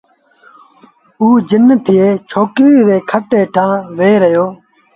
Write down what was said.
اُ جن ٿئي ڇوڪريٚ ريٚ کٽ هيٺآݩ ويه رهيو